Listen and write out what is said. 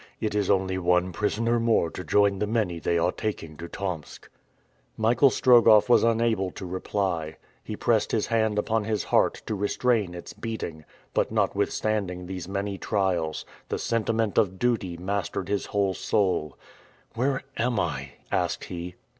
It is only one prisoner more to join the many they are taking to Tomsk!" Michael Strogoff was unable to reply. He pressed his hand upon his heart to restrain its beating. But, notwithstanding these many trials, the sentiment of duty mastered his whole soul. "Where am I?" asked he.